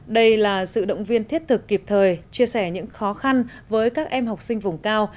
đây là sự động viên thiết thực kịp thời chia sẻ những khó khăn với các em học sinh vùng cao